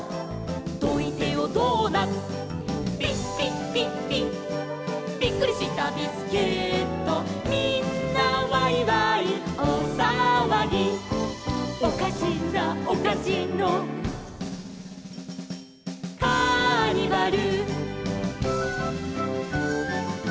「どいてよドーナッツ」「ビビビビ」「びっくりしたビスケット」「みんなワイワイおおさわぎ」「おかしなおかしの」「カーニバル」